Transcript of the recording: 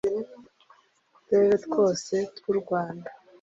uturere twose tw u rwanda